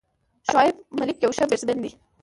شعیب ملک یو ښه بیټسمېن دئ.